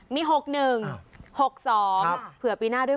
มี๖๑๖๒เผื่อปีหน้าด้วย